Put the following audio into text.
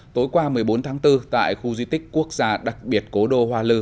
tối qua một mươi bốn tháng bốn tại khu di tích quốc gia đặc biệt cố đô hoa lư